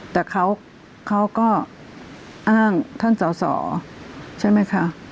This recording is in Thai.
แต่เขาก็อ้างท่านสอสอใช่ไหมคะ